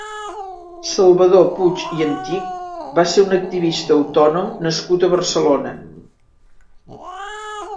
Salvador Puig i Antich va ser un activista autònom nascut a Barcelona.